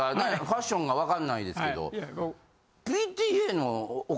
ファッションがわかんないですけど。